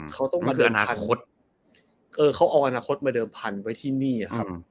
เขาเอาอนาคตมาเดิมพันธุ์ไว้ที่นี่นะครับ